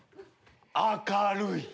明るい。